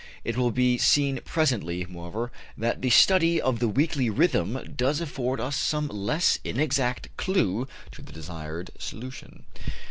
It will be seen presently, moreover, that the study of the weekly rhythm does afford us some less inexact clue to the desired solution.